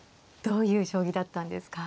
どういう将棋だったんですか。